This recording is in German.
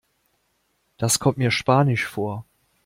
Das kommt mir spanisch vor.